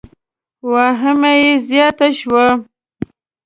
واهمه یې زیاته شوه.